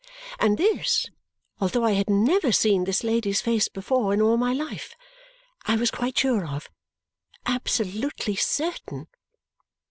And this, although I had never seen this lady's face before in all my life I was quite sure of it absolutely certain.